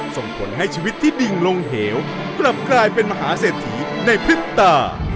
ส่งผลให้ชีวิตที่ดิ่งลงเหวกลับกลายเป็นมหาเศรษฐีในพริบตา